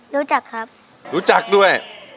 รู้จักครับรู้จักด้วย